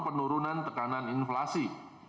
penurunan tekanan inflasi